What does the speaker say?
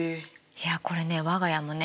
いやこれね我が家もね